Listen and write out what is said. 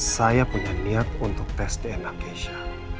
saya punya niat untuk tes dna keisha